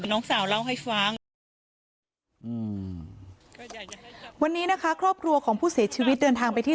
น้องสาวเล่าให้ฟังอืมวันนี้นะคะครอบครัวของผู้เสียชีวิตเดินทางไปที่